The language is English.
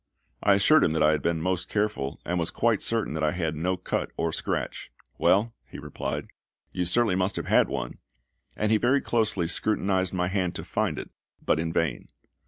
I assured him that I had been most careful, and was quite certain that I had no cut or scratch. "Well," he replied, "you certainly must have had one;" and he very closely scrutinised my hand to find it, but in vain.